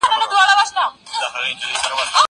که وخت وي، د کتابتون کتابونه لوستل کوم؟